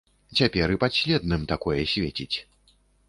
Цяпер і падследным такое свеціць.